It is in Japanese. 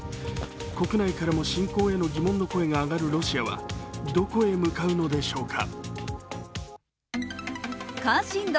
国内からも侵攻への疑問の声が上がるロシアはどこへ向かうのでしょうか。